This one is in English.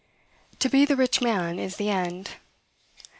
To be the rich man is the end.